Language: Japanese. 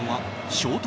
シュート！